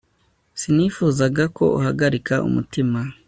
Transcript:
sinifuzaga ko uhagarika umutima